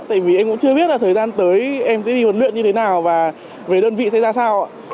tại vì anh cũng chưa biết là thời gian tới em sẽ đi huấn luyện như thế nào và về đơn vị sẽ ra sao ạ